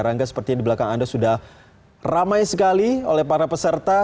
rangga sepertinya di belakang anda sudah ramai sekali oleh para peserta